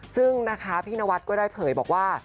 ซึ่งนะคะพี่นวัดก็ได้เผยบอกว่า